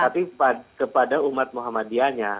tapi kepada umat muhammadiyahnya